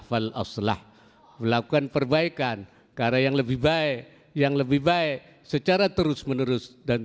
falaslah melakukan perbaikan karena yang lebih baik yang lebih baik secara terus menerus dan